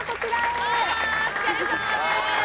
・お疲れさまです。